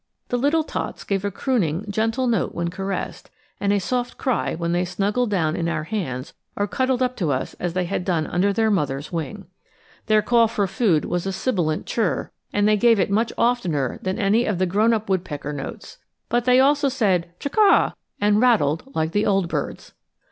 The little tots gave a crooning gentle note when caressed, and a soft cry when they snuggled down in our hands or cuddled up to us as they had done under their mother's wing. Their call for food was a sibilant chirr, and they gave it much oftener than any of the grown up woodpecker notes. But they also said chuck' ah and rattled like the old birds.